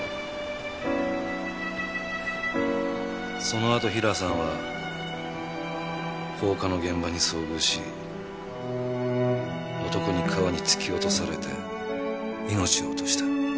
そのあとヒラさんは放火の現場に遭遇し男に川に突き落とされて命を落とした。